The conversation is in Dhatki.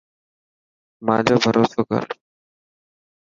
مانجو ڀروسو ڪر.